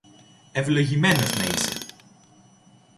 Ευλογημένος να είσαι!